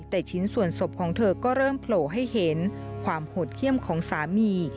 แต่ชิ้นส่วนศพของเธอก็เริ่มโผล่ให้เห็นความโหดเขี้ยมของสามี